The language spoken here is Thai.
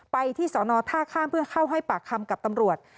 ไปที่สอนอท่าข้ามเพื่อเข้าให้ปากคำกับตำรวจ